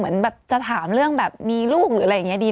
เหมือนแบบจะถามเรื่องแบบมีลูกหรืออะไรอย่างนี้ดี